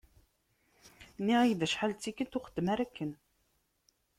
Nniɣ-ak-d acḥal d tikelt, ur xeddem ara akken.